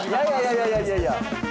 いやいやいやいや。